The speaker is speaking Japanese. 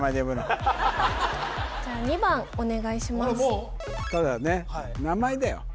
そうだね名前だよ